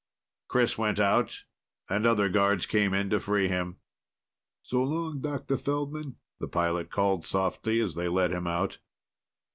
Chris went out, and other guards came in to free him. "So long, Dr. Feldman," the pilot called softly as they led him out.